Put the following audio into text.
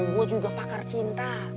gue juga pakar cinta